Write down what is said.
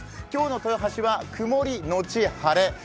今日の豊橋は曇りのち晴れ。